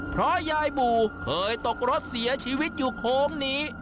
เพราะยายบู่เคยตกรถเสียชีวิตอยู่โค้งนี้